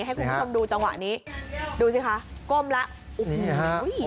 ให้คุณผู้ชมดูจังหวะนี้ดูสิคะก้มแล้วโอ้โห